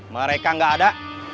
mereka gak ada